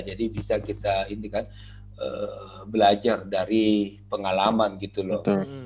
jadi bisa kita belajar dari pengalaman gitu loh